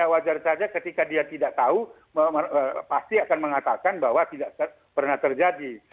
wajar saja ketika dia tidak tahu pasti akan mengatakan bahwa tidak pernah terjadi